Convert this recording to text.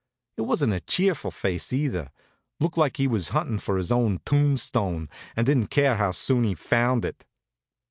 It wasn't a cheerful face, either; looked like he was huntin' for his own tombstone, and didn't care how soon he found it.